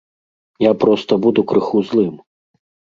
Я проста буду крыху злым!